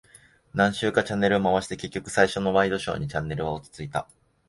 何周かチャンネルを回して、結局最初のワイドショーにチャンネルは落ち着いた。